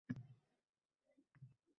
Osmonga tikilardim xuddi u